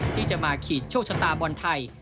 ที่จะมาขีดโชคชะตาบอลไทย